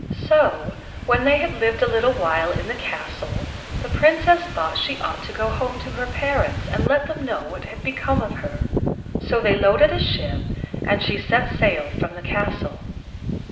So, when they had lived a little while in the castle, the Princess thought she ought to go home to her parents, and let them know what had become of her; so they loaded a ship, and she set sail from the castle.